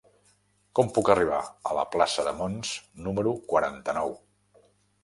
Com puc arribar a la plaça de Mons número quaranta-nou?